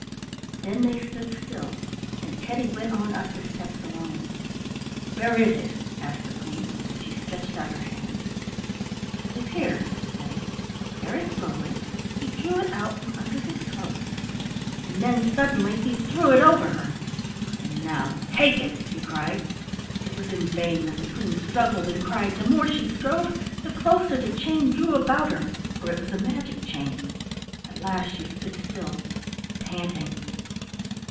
Then they stood still, and Teddy went on up the steps along. "Where is it?" asked the Queen, and she stretched out her hands. "It is here," said Teddy. Very slowly he drew it out from under his cloak, and then suddenly he threw it over her. "And now take it!" he cried. It was in vain that the Queen struggled and cried; the more she strove, the closer the chain drew about her, for it was a magic chain. At last she stood still, panting.